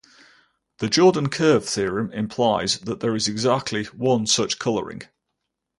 The Jordan curve theorem implies that there is exactly one such coloring.